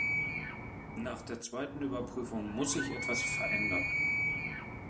Nach der zweiten Überprüfung muss sich etwas verändern.